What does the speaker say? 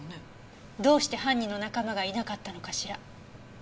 どうして犯人の仲間がいなかったのかしら？